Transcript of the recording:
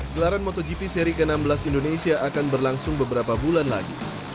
gelaran motogp seri ke enam belas indonesia akan berlangsung beberapa bulan lagi